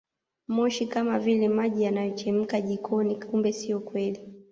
Moshi kama vile maji yanayochemka jikoni kumbe sio kweli